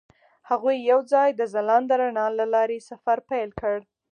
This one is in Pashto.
هغوی یوځای د ځلانده رڼا له لارې سفر پیل کړ.